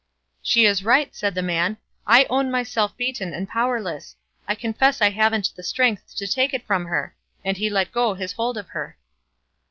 "She is right," said the man; "I own myself beaten and powerless; I confess I haven't the strength to take it from her;" and he let go his hold of her.